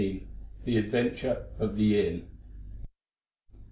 THE ADVENTURE OF THE INN.